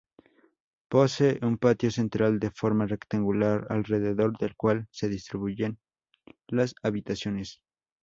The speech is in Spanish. Posee un patio central de forma rectangular, alrededor del cual se distribuyen las habitaciones.